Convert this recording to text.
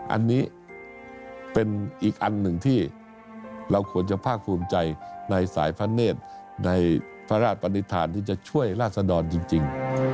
อันนี้เป็นอีกอันหนึ่งที่เราควรจะภาคภูมิใจในสายพระเนธในพระราชปนิษฐานที่จะช่วยราศดรจริง